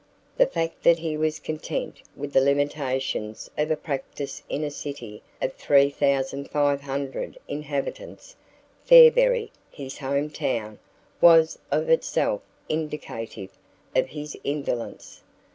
The fact that he was content with the limitations of a practice in a city of 3,500 inhabitants, Fairberry, his home town, was of itself indicative of his indolence.